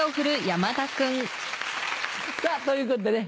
さぁということでね